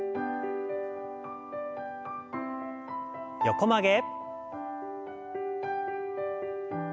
横曲げ。